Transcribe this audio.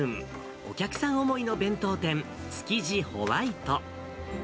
お客さん思いの弁当店、築地ほわいと。